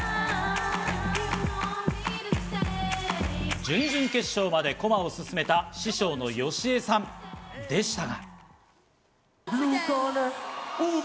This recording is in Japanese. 準々決勝まで駒を進めた師匠のＹＯＳＨＩＥさんでしたが。